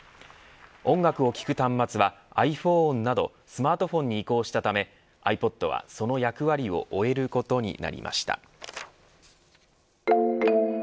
音楽を聴く端末はｉＰｈｏｎｅなどスマートフォンに移行したためｉＰｏｄはその役割を終えることになりました。